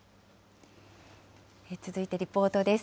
続いてリポートです。